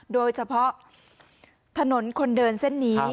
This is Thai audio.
โดยเฉพาะถนนคนเดินเส้นนี้